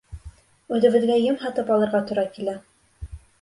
Үҙебеҙгә ем һатып алырға тура килә.